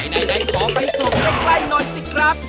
ไหนขอไปส่งใกล้หน่อยสิครับ